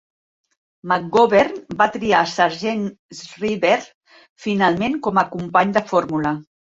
McGovern va triar Sargent Shriver finalment com a company de fórmula.